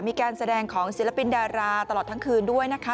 มีการแสดงของศิลปินดาราตลอดทั้งคืนด้วยนะคะ